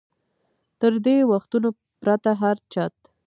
تر دې وختونو پرته هر چت.